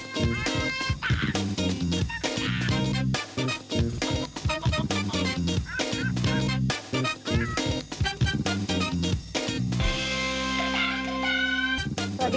บรึกการเพิ่มเท้า